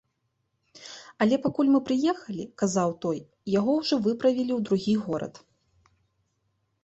Але пакуль мы прыехалі, казаў той, яго ўжо выправілі ў другі горад.